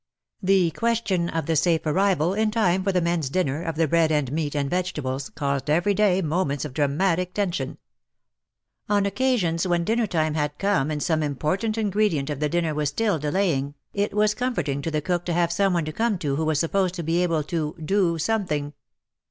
The question of the safe arrival — in time for the men's dinner — of the bread and meat and vegetables, caused every day moments of dramatic tension. On occasions, when dinner time had come and some important ingredient of the dinner was still delaying, it was com forting to the cook to have someone to come to who was supposed to be able to *'do some thing."